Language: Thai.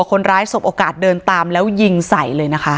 คนร้ายสบโอกาสเดินตามแล้วยิงใส่เลยนะคะ